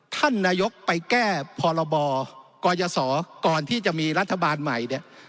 ท่านนายกไปแก้พลกยสก่อนที่จะมีรัฐบาลใหม่